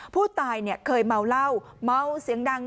ผู้ตายเคยเมาเหล้าเมาเสียงดัง